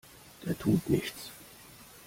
Der tut nichts!